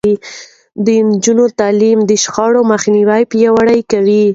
د نجونو تعليم د شخړو مخنيوی پياوړی کوي.